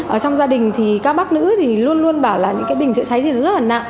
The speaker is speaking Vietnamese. ở trong gia đình thì các bác nữ thì luôn luôn bảo là những cái bình chữa cháy thì nó rất là nặng